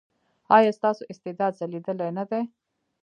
ایا ستاسو استعداد ځلیدلی نه دی؟